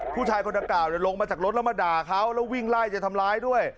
ผู้ชายคนดังกล่าวลงมาจากรถแล้วมาด่าเขาแล้ววิ่งไล่จะทำร้ายด้วย